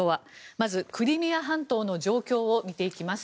まず、クリミア半島の状況を見ていきます。